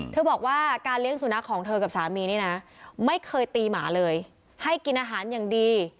บอกว่าการเลี้ยงสุนัขของเธอกับสามีนี่นะไม่เคยตีหมาเลยให้กินอาหารอย่างดี